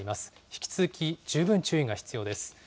引き続き十分注意が必要です。